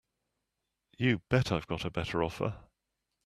You bet I've got a better offer.